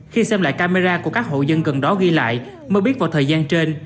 khi xem lại camera của các hộ dân gần đó ghi lại mới biết vào thời gian trên